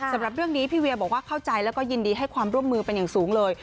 สำหรับเรื่องนี้พี่เวียบอกว่าเข้าใจแล้วก็ยินดีให้ความร่วมมือเป็นอย่างสูงเลย